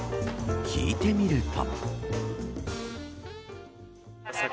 聞いてみると。